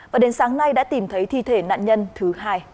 và đến sáng nay đã tìm thấy thi thể nạn nhân thứ hai